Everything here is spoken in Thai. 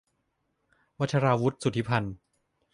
วัชราวุธ สุทธิพันธ์